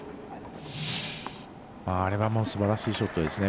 あれはもうすばらしいショットですね。